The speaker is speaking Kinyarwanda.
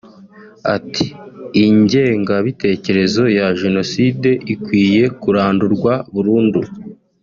Ati “Ingengabitekerezo ya Jenoside ikwiye kurandurwa burundu